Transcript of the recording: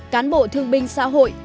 cán bộ thương binh xã hội